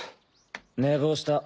寝坊した。